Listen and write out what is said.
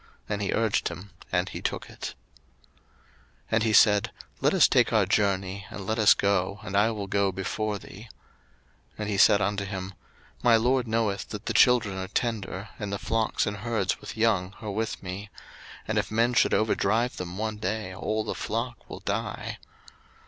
And he urged him, and he took it. 01:033:012 And he said, Let us take our journey, and let us go, and I will go before thee. 01:033:013 And he said unto him, My lord knoweth that the children are tender, and the flocks and herds with young are with me: and if men should overdrive them one day, all the flock will die.